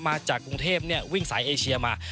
มาจากกรุงเทพวิ่งสายเอเชียมา